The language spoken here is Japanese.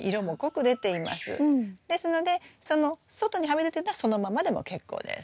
ですのでその外にはみ出てるのはそのままでも結構です。